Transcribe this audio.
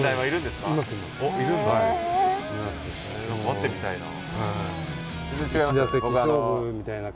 会ってみたいな。